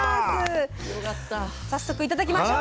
早速頂きましょう。